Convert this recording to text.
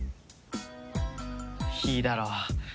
いいだろう。